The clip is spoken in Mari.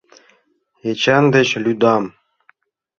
Эчан деч лӱдам.